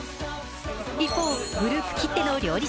一方、グループきっての料理